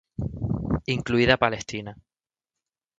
Incluida Palestina.